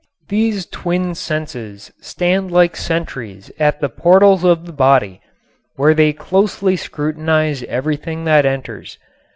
These twin senses stand like sentries at the portals of the body, where they closely scrutinize everything that enters.